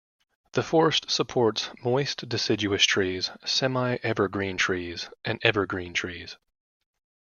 The forest supports moist deciduous trees, semi-evergreen trees, and evergreen trees.